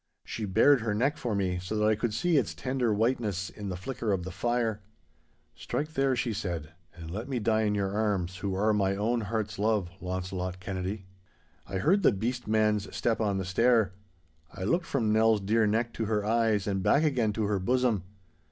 She bared her neck for me, so that I could see its tender whiteness in the flicker of the fire. 'Strike there,' she said, 'and let me die in your arms, who art my own heart's love, Launcelot Kennedy.' I heard the beast man's step on the stair. I looked from Nell's dear neck to her eyes and back again to her bosom.